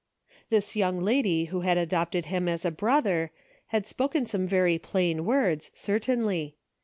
This young lady who had adopted him as a brother, had spoken some very plain words, cer tainly.